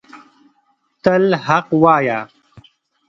تل حق وایه